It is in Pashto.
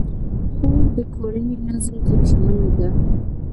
خور د کورنۍ نظم ته ژمنه ده.